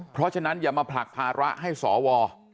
เพราะฉะนั้นอย่ามาผลักภาระให้สว